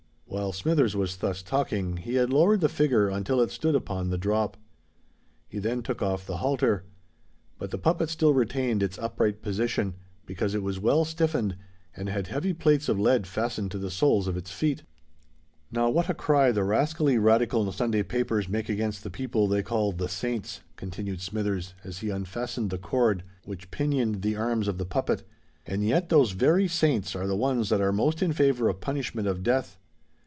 While Smithers was thus talking, he had lowered the figure until it stood upon the drop. He then took off the halter; but the puppet still retained its upright position, because it was well stiffened and had heavy plates of lead fastened to the soles of its feet. "Now what a cry the rascally radical Sunday papers make against the people they call the saints," continued Smithers, as he unfastened the cord which pinioned the arms of the puppet; "and yet those very saints are the ones that are most in favour of punishment of death.